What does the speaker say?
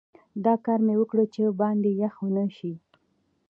دا کار مې وکړ چې باندې یخ ونه شي.